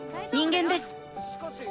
人間です！